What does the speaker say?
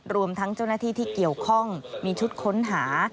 รวมทั้งเจ้าหน้าที่ที่เกี่ยวข้องมีชุดค้นหา